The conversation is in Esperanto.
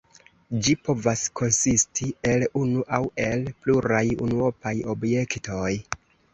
Ĝi povas konsisti el unu aŭ el pluraj unuopaj objektoj.